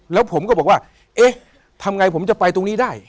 แล้วผมก็บอกว่าเอ๊ะทำไงผมจะไปตรงนี้ได้